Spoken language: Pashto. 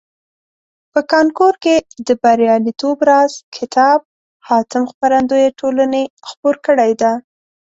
په کانکور کې د بریالیتوب راز کتاب حاتم خپرندویه ټولني خپور کړیده.